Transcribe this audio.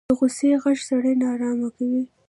د غوسې غږ سړی نارامه کوي